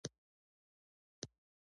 • مینه د تلپاتې یووالي راز دی.